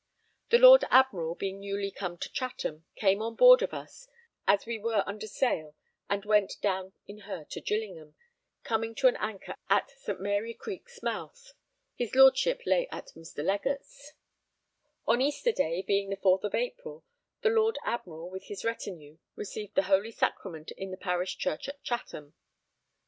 The Lord Admiral, being newly come to Chatham, came on board of us as we were under sail and went down in her to Gillingham, coming to an anchor at St. Mary Creek's mouth. His Lordship lay at Mr. Legatt's. On Easter day, being the 4th of April, the Lord Admiral with his retinue received the holy sacrament in the parish church at Chatham.